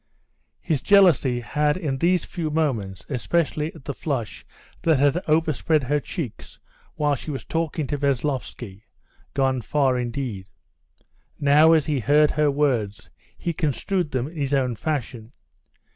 His jealousy had in these few moments, especially at the flush that had overspread her cheeks while she was talking to Veslovsky, gone far indeed. Now as he heard her words, he construed them in his own fashion.